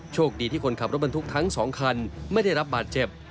โชคดีที่คนขับรถบรรทุกทั้ง๒คันไม่ได้รับบาดเจ็บ